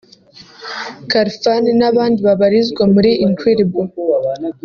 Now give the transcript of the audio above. Khalfan n'abandi babarizwa muri Incredible